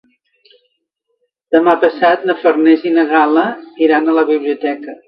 Demà passat na Farners i na Gal·la iran a la biblioteca.